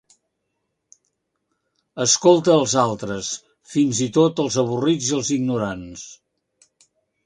Escolta els altres, fins i tot els avorrits i els ignorants